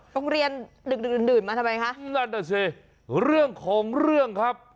โรงเรียนดึกดื่นดื่นมาทำไมคะนั่นน่ะสิเรื่องของเรื่องครับ